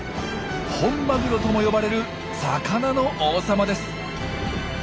本マグロとも呼ばれる魚の王様です。